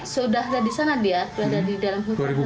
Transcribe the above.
sudah ada di sana dia berada di dalam hutan